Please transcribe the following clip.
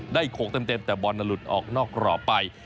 โขกเต็มแต่บอลน่ะหลุดออกนอกกรอบไป